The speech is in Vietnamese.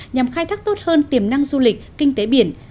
nhằm khai thác tốt hơn tiềm năng du lịch kinh tế biển